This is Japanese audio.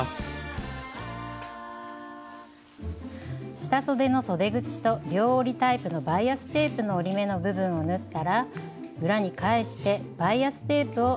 下そでのそで口と両折りタイプのバイアステープの折り目の部分を縫ったら裏に返してバイアステープを待ち針で留めます。